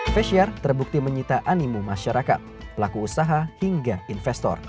festiar terbukti menyita animu masyarakat pelaku usaha hingga investor